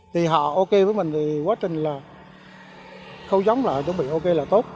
thì họ ok với mình thì quá trình là khâu giống là chuẩn bị ok là tốt